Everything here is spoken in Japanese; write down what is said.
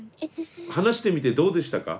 話してみてどうでしたか？